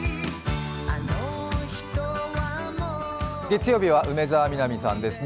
月曜日は梅澤美波さんです。